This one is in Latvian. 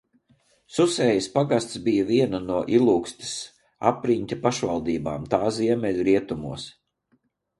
Susējas pagasts bija viena no Ilūkstes apriņķa pašvaldībām tā ziemeļrietumos.